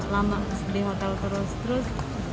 lama di hotel terus